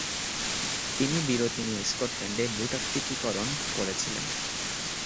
তিনি বিরতি নিয়ে স্কটল্যান্ডে "ভূতাত্ত্বিকীকরণ" করেছিলেন।